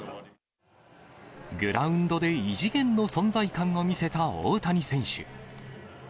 グラウンドで異次元の存在感を見せた大谷選手。